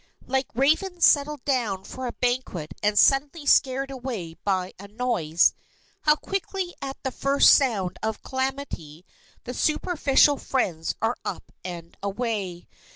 Like ravens settled down for a banquet and suddenly scared away by a noise, how quickly at the first sound of calamity the superficial friends are up and away.